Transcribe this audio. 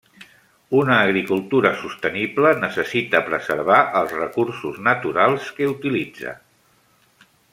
Una agricultura sostenible necessita preservar els recursos naturals que utilitza.